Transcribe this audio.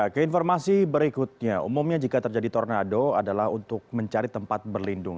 keinformasi berikutnya umumnya jika terjadi tornado adalah untuk mencari tempat berlindung